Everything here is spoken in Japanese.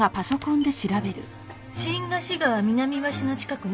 新河岸川南橋の近くね。